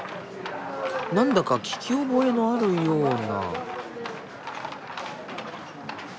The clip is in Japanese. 何だか聞き覚えのあるような。